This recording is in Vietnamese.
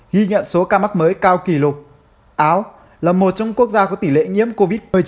ghi nhận số ca mắc mới cao kỷ lục áo là một trong quốc gia có tỷ lệ nhiễm covid một mươi chín